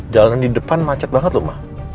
jalanan di depan macet banget loh ma